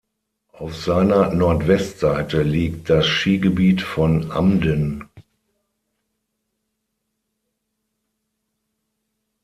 Auf seiner Nordwestseite liegt das Skigebiet von Amden.